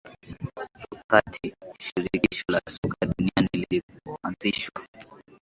wakati Shirikisho la Soka Duniani lilipoanzishwa